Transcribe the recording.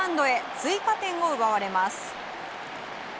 追加点を奪われます。